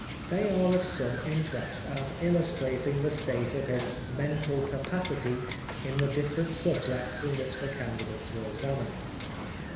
They are of some interest, as illustrating the state of his mental capacity in the different subjects in which the candidates were examined.